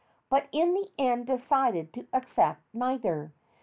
But in the end he decided to accept neither.